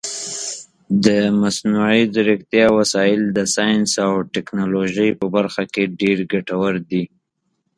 د مصنوعي ځیرکتیا وسایل د ساینس او ټکنالوژۍ په برخه کې ډېر ګټور دي.